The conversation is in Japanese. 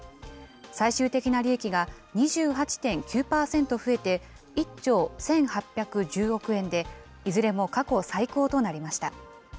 最終的な利益が２８．９％増えて、１兆１８１０億円で、いずれも過去最高となりました。